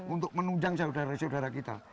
untuk menunjang saudara saudara kita